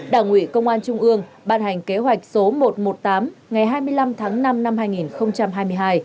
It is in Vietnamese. đảng ủy công an trung ương ban hành kế hoạch số một trăm một mươi tám ngày hai mươi năm tháng năm năm hai nghìn hai mươi hai